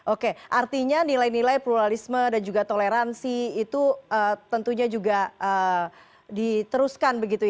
oke artinya nilai nilai pluralisme dan juga toleransi itu tentunya juga diteruskan begitu ya